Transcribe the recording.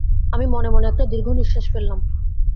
আমি মনে-মনে একটা দীর্ঘনিঃশ্বাস ফেললাম।